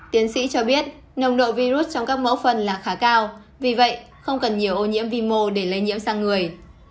tiến sĩ cho biết nồng độ virus trong các mẫu phân là khá cao vì vậy không cần nhiều ô nhiễm vi mô để lây nhiễm sang người